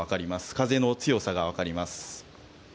風の強さがわかります。